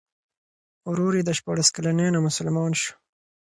ورور یې د شپاړس کلنۍ نه مسلمان شو.